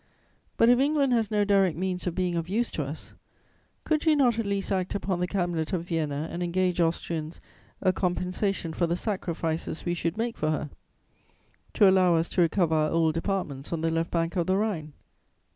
"But, if England has no direct means of being of use to us, could she not at least act upon the Cabinet of Vienna and engage Austrians a compensation for the sacrifices we should make for her, to allow us to recover our old departments on the left bank of the Rhine?